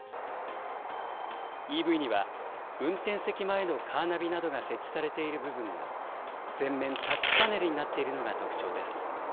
ＥＶには運転席前のカーナビなどが設置されている部分が、全面タッチパネルになっているのが特徴です。